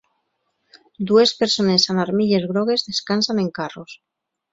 Dues persones amb armilles grogues descansen en carros